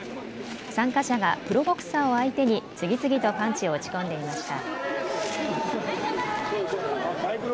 参加者がプロボクサーを相手に次々とパンチを打ち込んでいました。